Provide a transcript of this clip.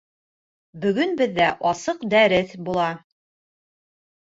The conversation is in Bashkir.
Бөгөн беҙҙә асыҡ дәрес була